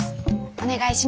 お願いします。